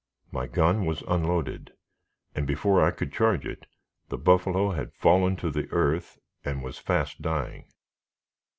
My gun was unloaded, and before I could charge it, the buffalo had fallen to the earth and was fast dying.